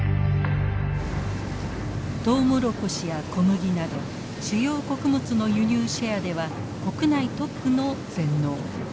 トウモロコシや小麦など主要穀物の輸入シェアでは国内トップの全農。